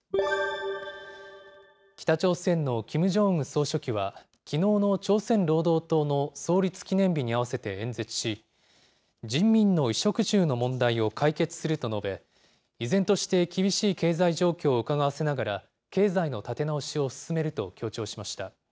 北朝鮮のキム・ジョンウン総書記は、きのうの朝鮮労働党の創立記念日に合わせて演説し、人民の衣食住の問題を解決すると述べ、依然として厳しい経済状況をうかがわせながら、経済の立て直しを進めると強調しました。